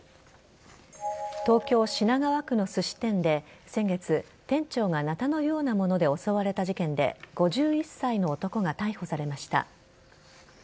東京・品川区のすし店で先月、店長がなたのようなもので襲われた事件で５１歳の男が逮捕されました。